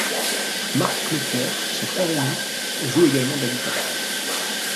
Mark Knopfler, son frère aîné, joue également de la guitare.